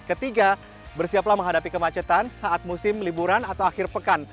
ketiga bersiaplah menghadapi kemacetan saat musim liburan atau akhir pekan